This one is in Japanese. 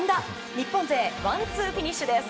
日本勢ワンツーフィニッシュです。